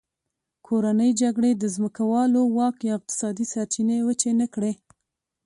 کورنۍ جګړې د ځمکوالو واک یا اقتصادي سرچینې وچې نه کړې.